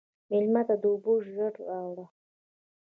مېلمه ته اوبه ژر راوله.